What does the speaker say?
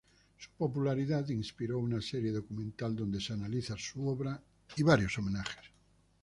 Su popularidad inspiró una serie documental donde se analiza su obra y varios homenajes.